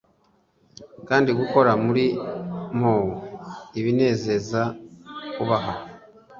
Kandi gukora muri moe ibinezeza kubaha